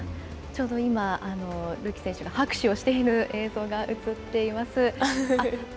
ちょうど今、るき選手が拍手をしている映像が映っています。